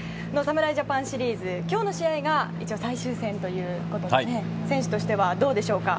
侍ジャパンシリーズ今日の試合が一応、最終戦ということで選手としてはどうでしょうか